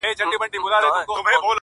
پټیږي که امي دی که مُلا په کرنتین کي!.